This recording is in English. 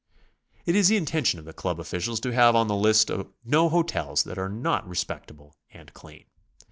It is the intention of the Club officials to have on the list no hotels that are not respectable and clean.